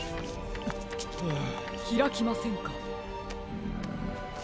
ひらきませんか。